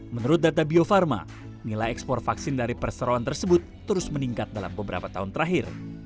menurut data bio farma nilai ekspor vaksin dari perseroan tersebut terus meningkat dalam beberapa tahun terakhir